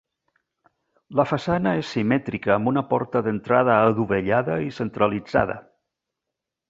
La façana és simètrica amb una porta d'entrada adovellada i centralitzada.